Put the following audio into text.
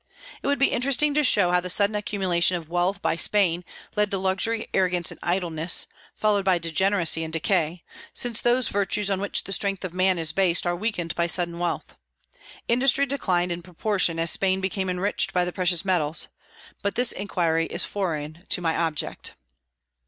It would be interesting to show how the sudden accumulation of wealth by Spain led to luxury, arrogance, and idleness, followed by degeneracy and decay, since those virtues on which the strength of man is based are weakened by sudden wealth. Industry declined in proportion as Spain became enriched by the precious metals. But this inquiry is foreign to my object.